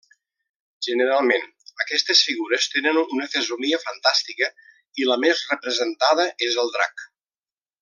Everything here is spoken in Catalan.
Generalment, aquestes figures tenen una fesomia fantàstica, i la més representada és el drac.